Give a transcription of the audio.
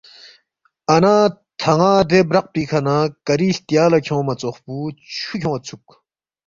اَنا تھن٘ا دے برَق پیکھہ نہ کری ہلتیا لہ کھیونگما ژوخ پو چُھو کھیون٘یدسُوک